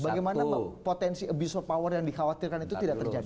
bagaimana potensi abuse of power yang dikhawatirkan itu tidak terjadi